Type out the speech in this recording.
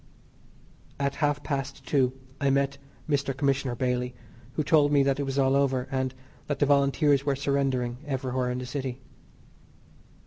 At half past two I met Mr. Commissioner Bailey, who told me that it was all over, and that the Volunteers were surrendering everywhere in the city.